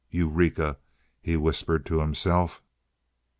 "Eureka!" he whispered to himself.